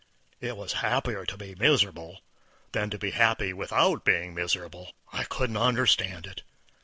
It was happier to be miserable than to be happy without being miserable. I couldn't understand it.